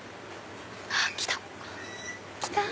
来た！